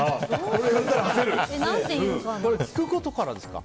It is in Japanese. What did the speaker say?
聞くことからですか？